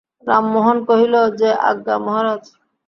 রামমোহন কহিল, যে আজ্ঞা মহারাজ।